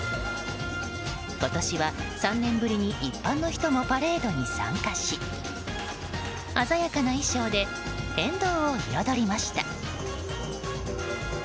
今年は３年ぶりに一般の人もパレードに参加し鮮やかな衣装で沿道を彩りました。